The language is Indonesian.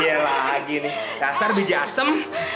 ya lagi nih rasar bija asem